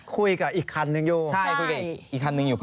คุยกับอีกคันนึงอยู่